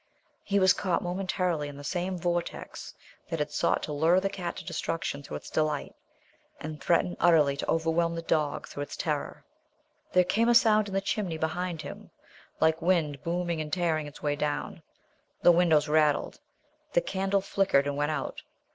He was caught momentarily in the same vortex that had sought to lure the cat to destruction through its delight, and threatened utterly to overwhelm the dog through its terror. There came a sound in the chimney behind him like wind booming and tearing its way down. The windows rattled. The candle flickered and went out.